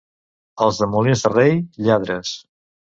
Els de Molins de Rei, lladres.